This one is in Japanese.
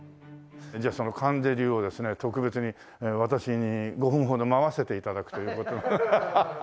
じゃあその観世流をですね特別に私に５分ほど舞わせて頂くという事で。